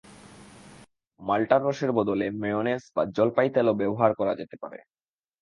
মাল্টার রসের বদলে মেয়োনেজ বা জলপাই তেলও ব্যবহার করা যেতে পারে।